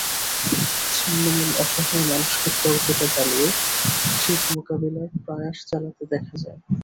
ছিন্নমূল অসহায় মানুষকে খড়কুটা জ্বালিয়ে শীত মোকাবিলার প্রয়াস চালাতে দেখা যায়।